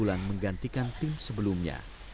kalau kini kita bebas kami akan ke tempat terkuat